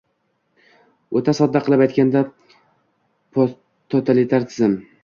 O‘ta sodda qilib aytganda, posttotalitar tizim